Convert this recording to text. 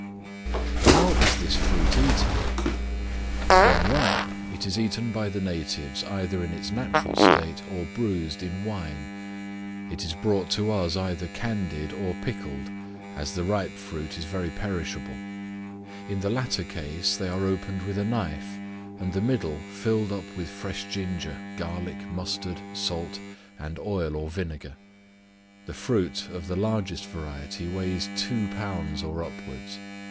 How is this fruit eaten? When ripe, it is eaten by the natives either in its natural state, or bruised in wine. It is brought to us either candied or pickled, as the ripe fruit is very perishable; in the latter case, they are opened with a knife, and the middle filled up with fresh ginger, garlic, mustard, salt, and oil or vinegar. The fruit of the largest variety weighs two pounds or upwards.